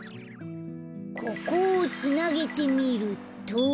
ここをつなげてみると。